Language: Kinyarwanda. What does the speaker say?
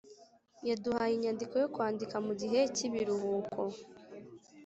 yaduhaye inyandiko yo kwandika mugihe cyibiruhuko.